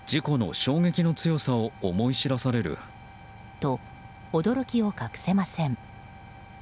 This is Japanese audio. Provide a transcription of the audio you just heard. と、驚きを隠せません。